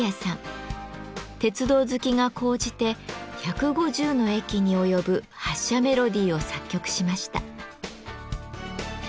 鉄道好きが高じて１５０の駅に及ぶ発車メロディーを作曲しました。